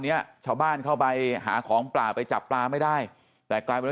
เนี้ยชาวบ้านเข้าไปหาของป่าไปจับปลาไม่ได้แต่กลายเป็น